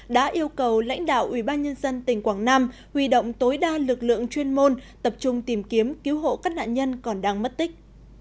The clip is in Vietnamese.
đã yêu cầu lãnh đạo ủy ban nhân dân tỉnh quảng nam huy động tối đa lực lượng chuyên môn tập trung tìm kiếm cứu hộ các nạn nhân còn đang mất tích